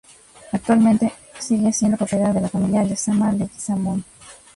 Actualmente sigue siendo propiedad de la familia Lezama-Leguizamón.